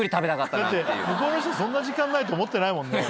だって向こうの人そんな時間ないと思ってないもんね。